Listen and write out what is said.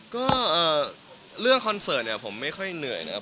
ก็เรื่องคอนเสิร์ตเนี่ยผมไม่ค่อยเหนื่อยนะครับ